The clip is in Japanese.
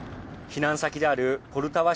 避難先であるポルタワ